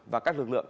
và các lực lượng